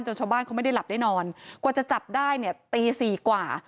ชาวบ้านเขาไม่ได้หลับได้นอนกว่าจะจับได้เนี่ยตีสี่กว่า